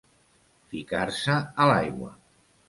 Ficar-se a l'aigua.